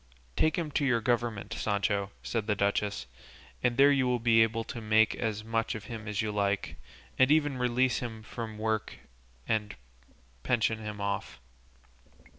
"Take him to your government, Sancho," said the duchess, "and there you will be able to make as much of him as you like, and even release him from work and pension him off."